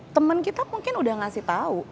teman kita mungkin udah ngasih tahu